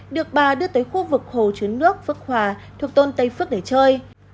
được bà đưa tới khu vực hồ chướng nước phước hòa thuộc thôn tây phước để chơi